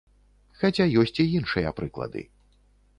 Хаця ёсць і іншыя прыклады.